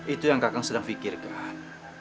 itu yang kakang sedang fikirkan